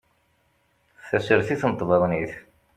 Tasertit n tbaḍnit